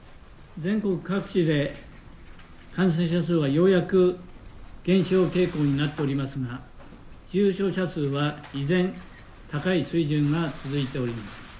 全国各地で、感染者数はようやく減少傾向になっておりますが、重症者数は依然、高い水準が続いております。